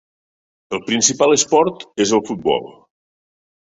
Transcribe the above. El principal esport és el futbol.